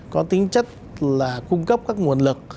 có tính chất cung cấp các nguồn lực